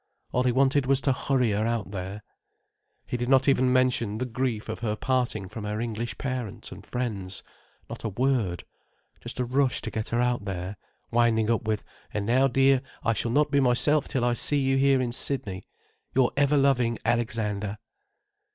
All he wanted was to hurry her out there. He did not even mention the grief of her parting from her English parents and friends: not a word. Just a rush to get her out there, winding up with "And now, dear, I shall not be myself till I see you here in Sydney—Your ever loving Alexander."